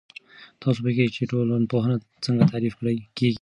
تاسو پوهیږئ چې ټولنپوهنه څنګه تعريف کیږي؟